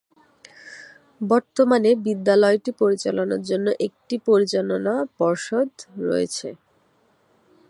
বর্তমানে বিদ্যালয়টি পরিচালনার জন্য একটি পরিচালনা পর্ষদ রয়েছে।